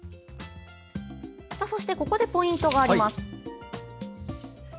ここでポイントがあります。